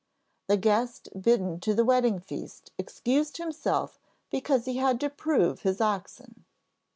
The guest bidden to the wedding feast excused himself because he had to prove his oxen.